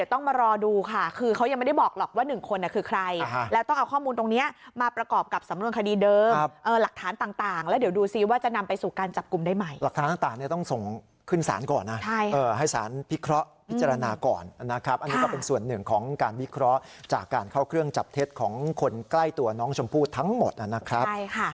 ต้องส่งขึ้นสารก่อนนะให้สารพิเคราะห์พิจารณาก่อนนะครับอันนี้ก็เป็นส่วนหนึ่งของการวิเคราะห์จากการเข้าเครื่องจับเท็จของคนใกล้ตัวน้องชมพูทั้งหมดนะครับ